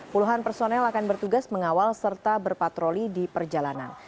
puluhan personel akan bertugas mengawal serta berpatroli di perjalanan